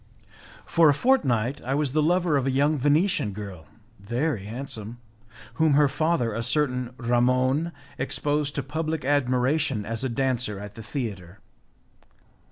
For a fortnight I was the lover of a young Venetian girl, very handsome, whom her father, a certain Ramon, exposed to public admiration as a dancer at the theatre.